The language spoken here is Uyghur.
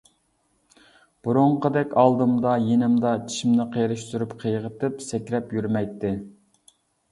بۇرۇنقىدەك ئالدىمدا، يېنىمدا چىشىمنى قېرىشتۇرۇپ قىيغىتىپ، سەكرەپ يۈرمەيتتى.